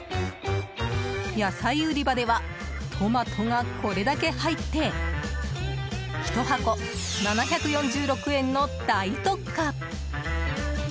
野菜売り場ではトマトがこれだけ入って１箱７４６円の大特価。